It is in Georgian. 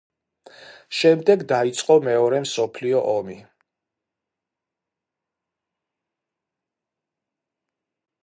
შემდეგ დაიწყო მეორე მსოფლიო ომი.